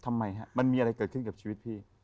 ทำไมฮะมันมีอะไรเกิดขึ้นกับชีวิตพี่